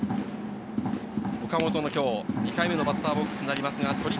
岡本の２回目のバッターボックスになります。